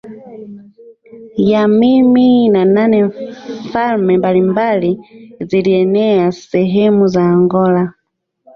Ya Mimi na nne falme mbalimbali zilienea sehemu za Angola